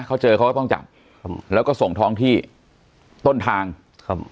เขาเจอเขาก็ต้องจับครับแล้วก็ส่งท้องที่ต้นทางครับ